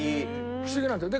不思議なんだよ。